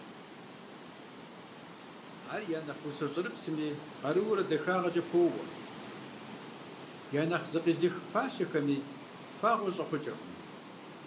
Ар я нэхъ усэ «щӀэрыпсми» къарурэ дахагъкӀэ поуэ, я нэхъ «зыкъизых» фащэхэми фагъуэ щӀэхъукӀыркъым.